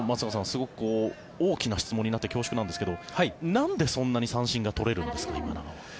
すごく大きな質問になって恐縮なんですがなんでそんなに三振が取れるんですかね？